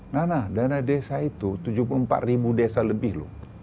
nana dana desa itu tujuh puluh empat ribu desa lebih loh